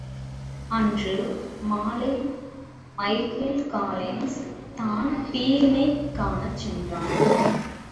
அன்று, மாலை Michael Collins தான்பிரீனைக் காணச் சென்றார்.